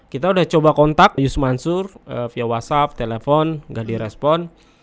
kita udah coba kontak yus mansur via whatsapp telepon nggak direspon